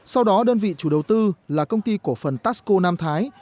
sau đó đơn vị chủ đầu tư là công ty cổ phần taxco nam thái